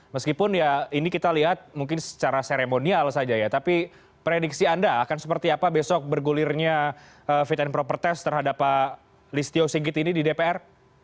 meskipun ya ini kita lihat mungkin secara seremonial saja ya tapi prediksi anda akan seperti apa besok bergulirnya fit and proper test terhadap pak listio sigit ini di dpr